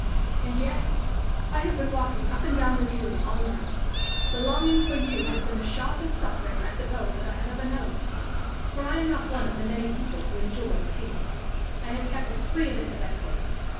And yet "I have been walking up and down this room all night. The longing for you has been the sharpest suffering I suppose that I have ever known. For I am not one of the many people who enjoy pain. I have kept as free of it as I could.